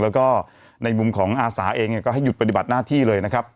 แล้วก็ในมุมของอาสาเองก็ให้หยุดปฏิบัติหน้าที่เลยนะครับ